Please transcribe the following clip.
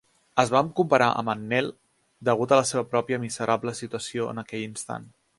Es va comparar amb en Nell, degut a la seva pròpia miserable situació en aquell instant.